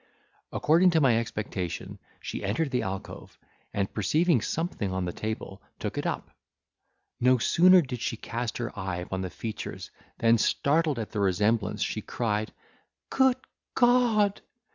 According to my expectation, she entered the alcove, and perceiving something on the table, took it up. No sooner did she cast her eye upon the features, than, startled at the resemblance, she cried, "Good God!"